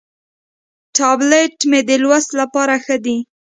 ټابلیټ مې د لوست لپاره ښه دی.